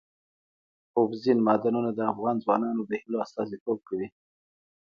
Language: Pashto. اوبزین معدنونه د افغان ځوانانو د هیلو استازیتوب کوي.